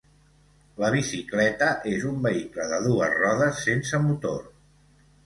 La bicicleta és un vehicle de dues rodes sense motor.